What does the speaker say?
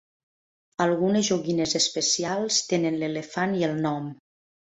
Algunes joguines especials tenen l'elefant i el nom.